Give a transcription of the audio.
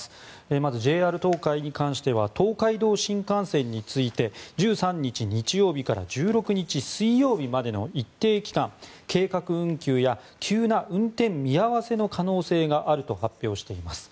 まずＪＲ東海に関しては東海道新幹線について１３日日曜日から１６日水曜日までの一定期間計画運休や急な運転見合わせの可能性があると発表しています。